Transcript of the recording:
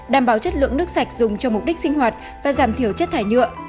đảm bảo chất lượng nước sạch dùng cho mục đích sinh hoạt và giảm thiểu chất thải nhựa